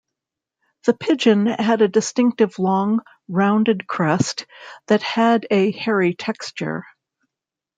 The pigeon had a distinctive long, rounded crest that had a hairy texture.